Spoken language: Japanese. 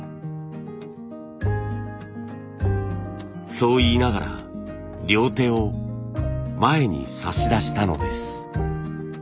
そう言いながら両手を前に差し出したのです。